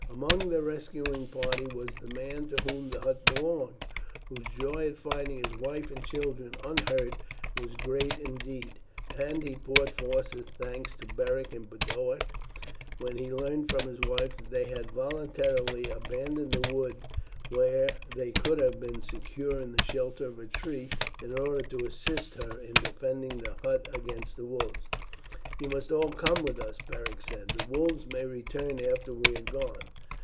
Among the rescuing party was the man to whom the hut belonged, whose joy at finding his wife and children unhurt was great indeed; and he poured forth his thanks to Beric and Boduoc when he learned from his wife that they had voluntarily abandoned the wood, where they could have been secure in the shelter of a tree, in order to assist her in defending the hut against the wolves. "You must all come with us," Beric said; "the wolves may return after we have gone.